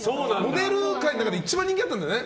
モデル界の中で一番人気あったんだよね。